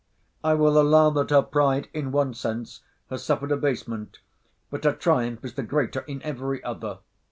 I will allow that her pride, in one sense, has suffered abasement: but her triumph is the greater in every other.